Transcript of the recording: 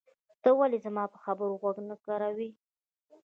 ته ولې زما په خبرو غوږ نه ګروې؟